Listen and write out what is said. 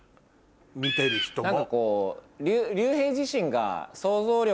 見てる人も。